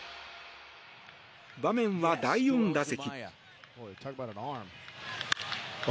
場面は、第４打席。